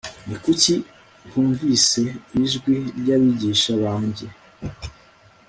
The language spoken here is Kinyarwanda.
ni kuki ntumvise ijwi ry'abigisha banjye